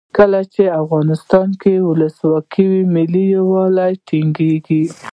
کله چې افغانستان کې ولسواکي وي ملي یووالی ټینګیږي.